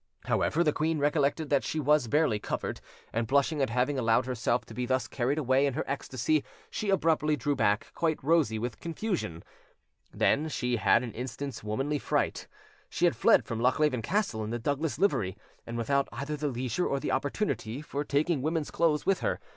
However, the queen recollected that she was barely covered, and blushing at having allowed herself to be thus carried away in her ecstasy, she abruptly drew back, quite rosy with confusion. Then she had an instant's womanly fright: she had fled from Lochleven Castle in the Douglas livery, and without either the leisure or the opportunity for taking women's clothes with her.